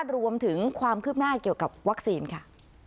รวมถึงความคืบหน้าเกี่ยวกับวัคซีนค่ะ